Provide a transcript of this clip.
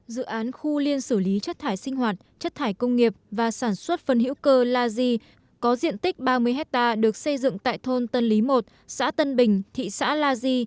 dự án khu liên xử lý chất thải sinh hoạt chất thải công nghiệp và sản xuất phân hữu cơ lagi có diện tích ba mươi hectare được xây dựng tại thôn tân lý i xã tân bình thị xã lagi